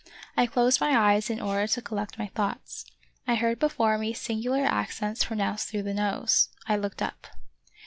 I closed my eyes in order to collect my thoughts. I heard before me singu lar accents pronounced through the nose. I looked up.